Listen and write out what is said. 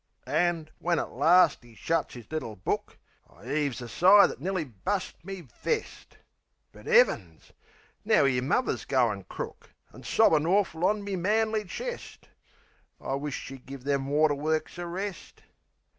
An', when at last 'e shuts 'is little book, I 'eaves a sigh that nearly bust me vest. But 'Eavens! Now 'ere's muvver goin' crook! An' sobbin' awful on me manly chest! (I wish she'd give them water works a rest.)